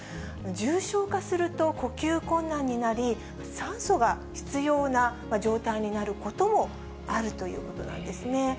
重症化すると、呼吸困難になり、酸素が必要な状態になることもあるということなんですね。